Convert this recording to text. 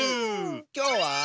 きょうは。